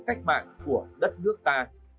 cách mạng của đất nước ta